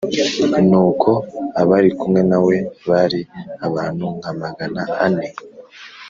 Nuko abari kumwe na we bari abantu nka magana ane.